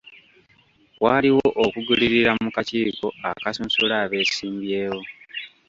Waaliwo okugulirira mu kakiiko akasunsula abeesimbyewo.